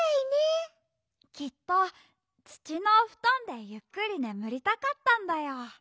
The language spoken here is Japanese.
きっとつちのおふとんでゆっくりねむりたかったんだよ。